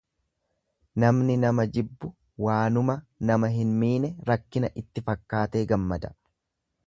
Namni nama jibbu waanuma nama hin miine rakkina itti fakkaatee gammada.